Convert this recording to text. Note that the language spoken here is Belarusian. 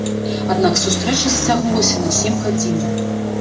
Аднак сустрэча зацягнулася на сем гадзінаў.